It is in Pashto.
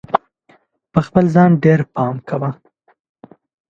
په خپل ځان ډېر پام کوه!